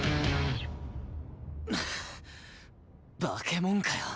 ハア化け物かよ。